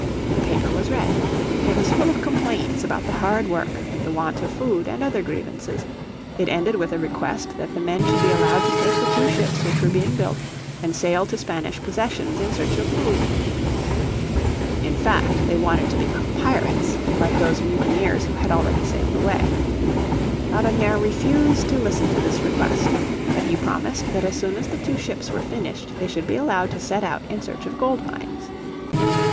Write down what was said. The paper was read. It was full of complaints about the hard work, the want of food, and other grievances. It ended with a request that the men should be allowed to take the two ships which were being built and sail to Spanish possessions in search of food. In fact they wanted to become pirates like those mutineers who had already sailed away. Laudonnière refused to listen to this request. But he promised that as soon as the two ships were finished they should be allowed to set out in search of gold mines.